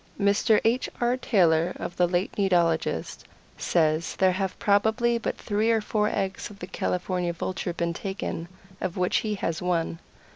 Mr. H. R. Taylor, of the late Nidologist, says there have probably but three or four eggs of the California Vulture been taken, of which he has one.